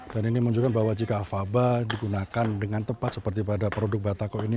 dan ini menunjukkan bahwa jika faba digunakan dengan tepat seperti pada produk batako ini